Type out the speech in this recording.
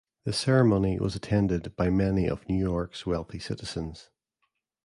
The ceremony was attended by many of New York's wealthy citizens.